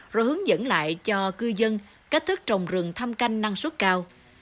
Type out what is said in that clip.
rồi hướng dẫn lại cho cư dân cách thức trồng rừng thăm canh năng suất cao